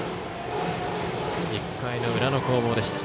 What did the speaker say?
１回の裏の攻防でした。